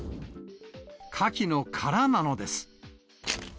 カキの殻なのです。